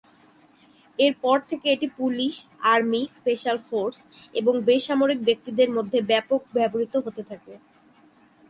এরপর থেকে এটি পুলিশ, আর্মি, স্পেশাল ফোর্স এবং বেসামরিক ব্যক্তিদের মধ্যে ব্যাপক ব্যবহৃত হতে থাকে।